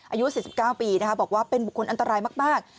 อายุ๔๙ปีบอกว่าเป็นบุคคลอันตรายมาก